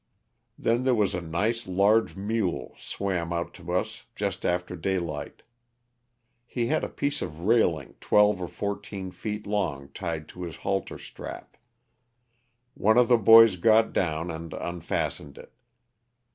Then there was a nice large mule swam out to us just after daylight. He had a piece of railing twelve or fourteen feet long tied to his halter strap. One of the boys got down and unfastened it.